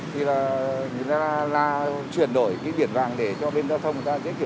thì người ta chuyển đổi biển vàng để cho bên giao thông người ta dễ kiểm soát hơn